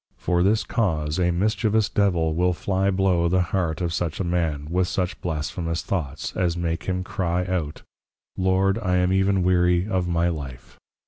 For this cause, a mischievous Devil, will Flie blow the Heart of such a man, with such Blasphemous Thoughts, as make him crie out, _Lord I am e'n weary of my life.